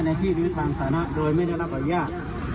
ในที่หรือทางสาธารณะโดยไม่ได้รับอนุญาต